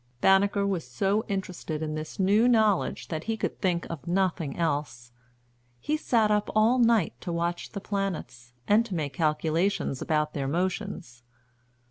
Banneker was so interested in this new knowledge that he could think of nothing else. He sat up all night to watch the planets, and to make calculations about their motions.